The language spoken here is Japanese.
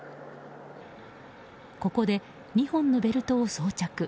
ここで２本のベルトを装着。